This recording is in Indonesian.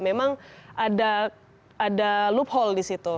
memang ada loophole di situ